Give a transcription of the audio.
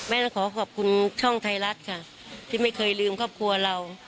ต้องขอขอบคุณช่องไทยรัฐค่ะที่ไม่เคยลืมครอบครัวเรา